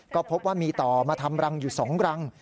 ก็พบว่ามีต่อมาทำรังอยู่๒รัง